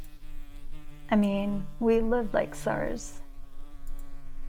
I mean, we live like czars.